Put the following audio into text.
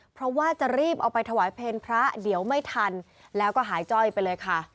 เพราะว่าจะรีบเอาไปถวายเพลงพระเดี๋ยวไม่ทันแล้วก็หายจ้อยไปเลยค่ะ